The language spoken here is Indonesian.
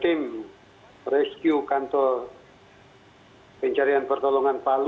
kami juga meminta para penyelamat dari kantor pencarian pertolongan palu